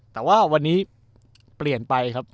แต่ว่าวันนี้เปลี่ยนไปครับ